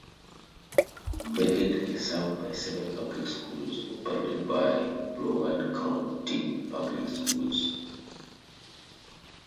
Margate is served by seven public schools operated by Broward County Public Schools.